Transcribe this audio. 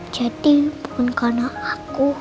jadi bukan karena aku